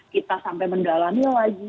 kita sampai mendalami lagi